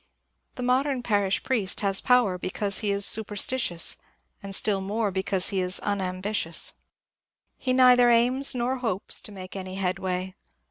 The modem parish priest has power because he is ^^ superstitious," and stiU more because he is ^^ unambitious ;" he neither aims nor hopes to make any ^^ headway."